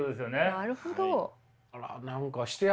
なるほど。